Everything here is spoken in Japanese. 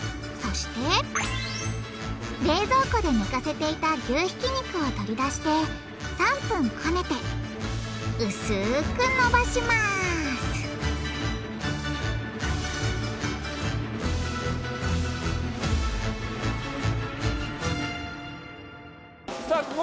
そして冷蔵庫でねかせていた牛ひき肉を取り出して３分こねてうすくのばしますさあ